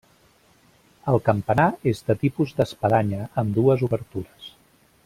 El campanar és de tipus d'espadanya, amb dues obertures.